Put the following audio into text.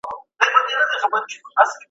مورنۍ ژبه زده کړه آسانه او مؤثره کوي.